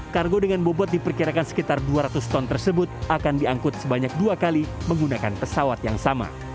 kargo dengan bobot diperkirakan sekitar dua ratus ton tersebut akan diangkut sebanyak dua kali menggunakan pesawat yang sama